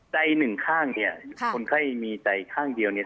ใจหนึ่งข้างเนี่ยคนไข้มีใจข้างเดียวเนี่ย